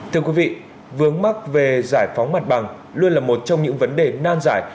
thưa quý vị vướng mắc về giải phóng mặt bằng luôn là một trong những vấn đề nan giải